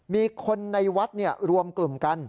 มีคนในวัดรวมกลุ่มกัน